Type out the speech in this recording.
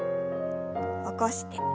起こして。